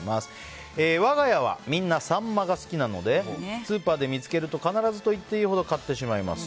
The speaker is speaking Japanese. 我が家はみんなサンマが好きなのでスーパーで見つけると必ず買ってしまいます。